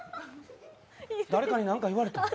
誰かに何か言われたん？